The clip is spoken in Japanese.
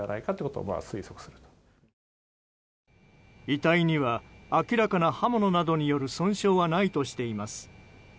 遺体には明らかな刃物などによる損傷はないとしています。